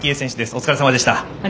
お疲れさまでした。